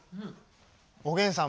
「おげんさん」